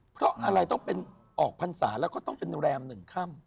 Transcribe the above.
เพราะอะไรต้องเป็นออกพรรษาแล้วก็ต้องเป็นแรม๑ค่ำ